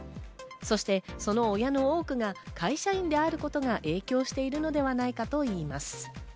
そして、その親の多くが会社員であることが影響しているのではないかといいます。